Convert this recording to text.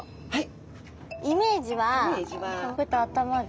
はい。